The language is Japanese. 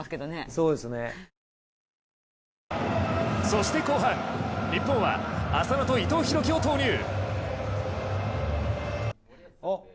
そして後半、日本は浅野と伊藤洋輝を投入。